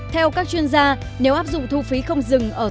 theo các chuyên gia nếu áp dụng thu phí không dừng